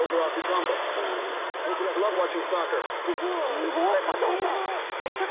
すごい加藤さん。